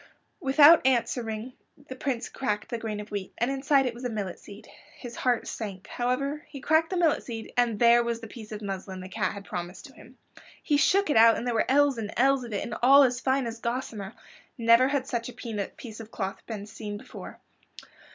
Without answering, the Prince cracked the grain of wheat, and inside it was a millet seed. His heart sank. However, he cracked the millet seed, and there was the piece of muslin the cat had promised to him. He shook it out and there were ells and ells of it and all as fine as gossamer. Never had such a piece of cloth been seen before.